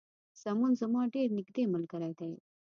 سمون زما ډیر نږدې ملګری دی